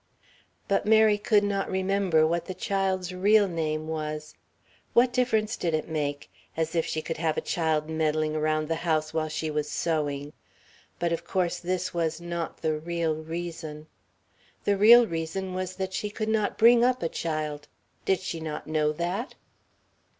But Mary could not remember what the child's real name was. What difference did it make? As if she could have a child meddling round the house while she was sewing. But of course this was not the real reason. The real reason was that she could not bring up a child did she not know that?